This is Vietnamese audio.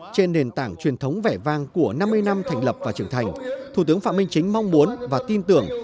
trên nền tảng truyền thống vẻ vang của năm mươi năm thành lập và trưởng thành thủ tướng phạm minh chính mong muốn và tin tưởng